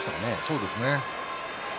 そうですね。